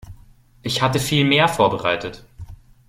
Ich hatte viel mehr vorbereitet.